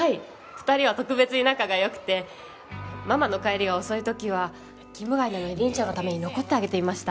２人は特別に仲が良くてママの帰りが遅い時は勤務外なのに凛ちゃんのために残ってあげていました。